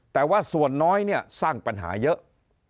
แต่ว่าส่วนน้อยเนี่ยสร้างปัญหาเยอะ